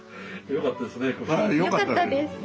よかったですね。